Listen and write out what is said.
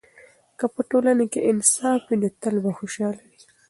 که په ټولنه کې انصاف وي، نو تل به خوشحاله وي.